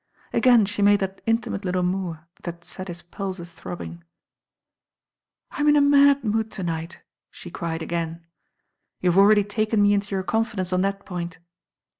Again she made that intimate little moue that set his pulses throbbing. ;Tm in a mad mood to night," she cried again. nn I? """ f '^"^^^^^''^""^"^° y°"^ confidence on that point.